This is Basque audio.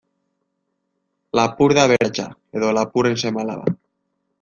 Lapur da aberatsa, edo lapurren seme-alaba.